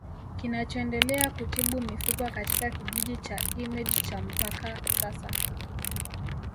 Kinachoendelea kutibu mifupa katika kijiji cha Image cha mpaka sasa